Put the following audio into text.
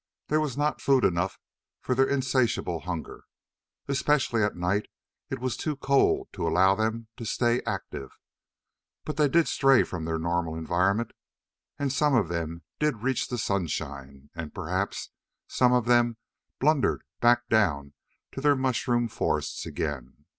There was not food enough for their insatiable hunger. Especially at night, it was too cold to allow them to stay active. But they did stray from their normal environment, and some of them did reach the sunshine, and perhaps some of them blundered back down to their mushroom forests again.